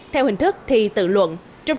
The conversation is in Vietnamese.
theo hình thức thi tự luận